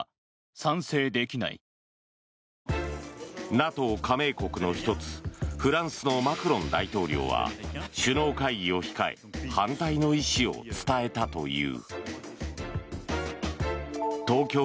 ＮＡＴＯ加盟国の１つフランスのマクロン大統領は首脳会議を控え、反対の意思を伝えたという。